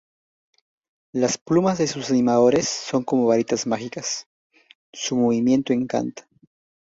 Las plumas de sus animadores son como varitas mágicas; su movimiento encanta.